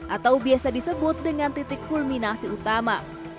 atau biasa disebut dengan titik kulminasi utama